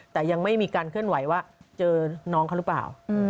แต่ยังไม่มีการเคลื่อนไหวว่าเจอน้องเขาหรือเปล่า